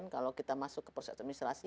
kalau kita masuk ke proses administrasi